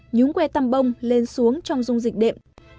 nhúng que tăm bông lên xuống trong dung dịch đệm